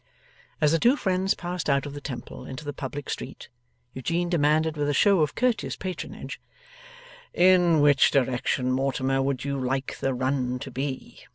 As the two friends passed out of the Temple into the public street, Eugene demanded with a show of courteous patronage in which direction Mortimer would you like the run to be?